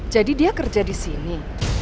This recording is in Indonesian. jadi dia kerja di sini